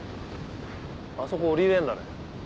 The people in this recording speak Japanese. あそこ下りれるんだね。